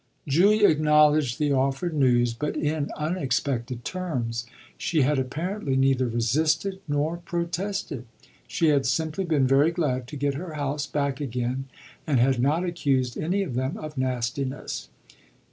Julia acknowledged the offered news, but in unexpected terms: she had apparently neither resisted nor protested; she had simply been very glad to get her house back again and had not accused any of them of nastiness.